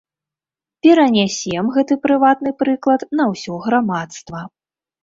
Перанясем гэты прыватны прыклад на ўсё грамадства.